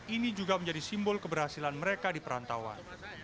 ini juga menjadi simbol keberhasilan mereka di perantauan